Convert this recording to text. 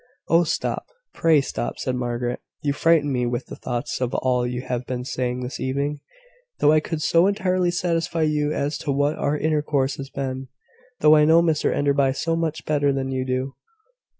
"Oh, stop; pray stop," said Margaret. "You frighten me with the thoughts of all you have been saying this evening, though I could so entirely satisfy you as to what our intercourse has been though I know Mr Enderby so much better than you do.